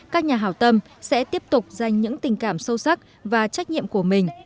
các nhà hào tâm sẽ tiếp tục dành những tình cảm sâu sắc và trách nhiệm của mình